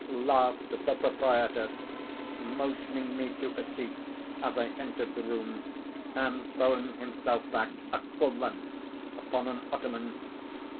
ha!"—laughed the proprietor, motioning me to a seat as I entered the room, and throwing himself back at full length upon an ottoman.